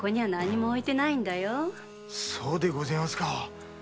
そうでごぜえますか。